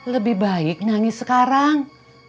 lebih baik nangis sekarang